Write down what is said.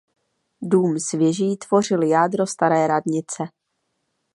Dům s věží tvořil jádro staré radnice.